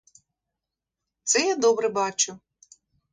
Це я добре бачу.